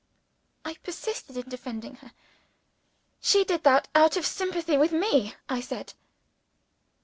I persisted in defending her. "She did that out of sympathy with me," I said.